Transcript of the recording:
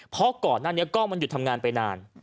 เพราะก่อนหน้านี้กล้องมันหยุดทำงานไปนาน